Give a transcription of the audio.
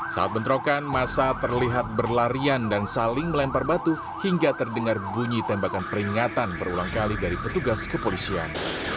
saat bentrokan masa terlihat berlarian dan saling melempar batu hingga terdengar bunyi tembakan peringatan berulang kali dari petugas kepolisian